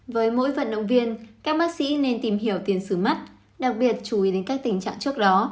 với mỗi vận động viên các bác sĩ nên tìm hiểu tiền sử mắt đặc biệt chú ý đến các tình trạng trước đó